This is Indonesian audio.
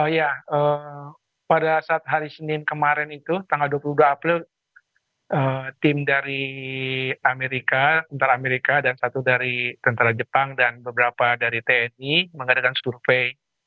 ya pada saat hari senin kemarin itu tanggal dua puluh dua april tim dari amerika antara amerika dan satu dari tentara jepang dan beberapa dari tni mengadakan survei